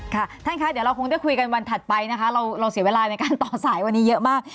ท่านคะเดี๋ยวเราคงได้คุยกันวันถัดไปนะคะเราเสียเวลาในการต่อสายวันนี้เยอะมาก